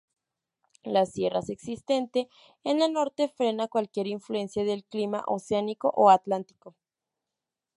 Las sierras existente en el norte frena cualquier influencia del clima Oceánico o Atlántico.